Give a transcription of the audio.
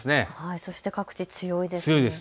そして各地、強いですね。